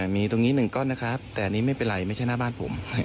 มีตรงนี้๑ก้อนนะครับแต่อันนี้ไม่เป็นไรไม่ใช่หน้าบ้านผม